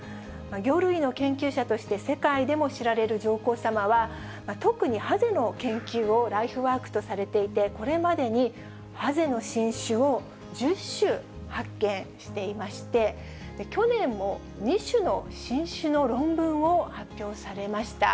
魚類の研究者として世界でも知られる上皇さまは、特にハゼの研究をライフワークとされていて、これまでにハゼの新種を１０種発見していまして、去年も２種の新種の論文を発表されました。